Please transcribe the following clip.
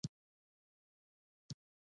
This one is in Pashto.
نجلۍ د شپو ملګرې ده.